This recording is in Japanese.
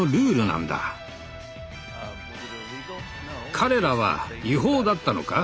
彼らは違法だったのか？